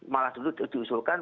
malah dulu diusulkan